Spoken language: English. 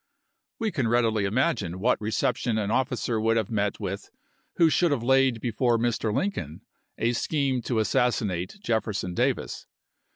We can readily imagine what reception an officer would have met with who should have laid before Mr. Lincoln a scheme to assassinate Jefferson Davis.